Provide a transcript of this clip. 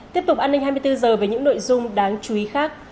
tiếp tục an ninh hai mươi bốn h với những nội dung đáng chú ý khác